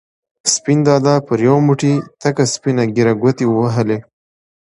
سپین دادا پر یو موټی تکه سپینه ږېره ګوتې ووهلې.